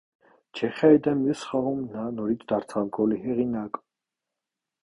Չեխիայի դեմ մյուս խաղում նա նորից դարձավ գոլի հեղինակ։